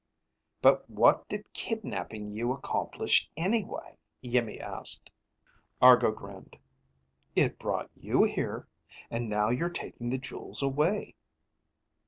"But what did kidnaping you accomplish, anyway?" Iimmi asked. Argo grinned. "It brought you here. And now you're taking the jewels away."